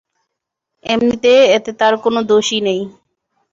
এমনিতে, এতে তার কোন দোষই নেই।